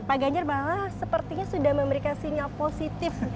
pak ganjar malah sepertinya sudah memberikan sinyal positif